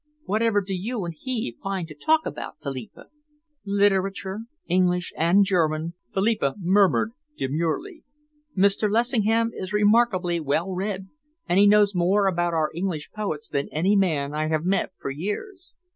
"Whatever do you and he find to talk about, Philippa?" "Literature English and German," Philippa murmured demurely. "Mr. Lessingham is remarkably well read, and he knows more about our English poets than any man I have met for years."